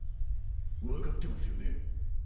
分かってますよね？